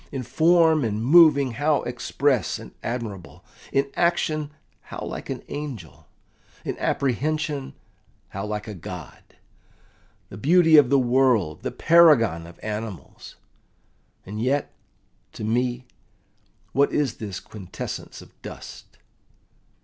In form and moving how express and admirable! In action how like an angel! In apprehension how like a god! The beauty of the world, the paragon of animals! And yet, to me, what is this quintessence of dust?